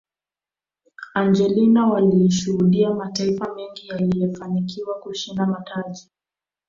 argentina waliishuhudia mataifa mengi yakifanikiwa kushinda mataji